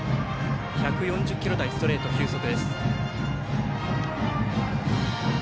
１４０キロ台のストレートの球速。